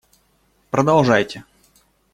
Продолжайте!